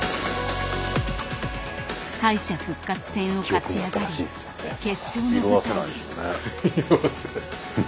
敗者復活戦を勝ち上がり決勝の舞台へ。